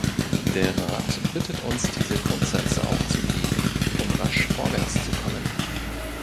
Der Rat bittet uns, diese Grundsätze aufzugeben, um rasch vorwärtszukommen.